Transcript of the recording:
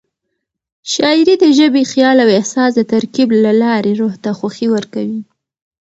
شاعري د ژبې، خیال او احساس د ترکیب له لارې روح ته خوښي ورکوي.